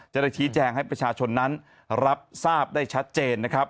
จะได้ชี้แจงให้ประชาชนนั้นรับทราบได้ชัดเจนนะครับ